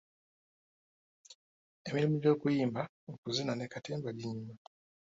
Emirimu gy'okuyimba, okuzina ne katemba ginyuma.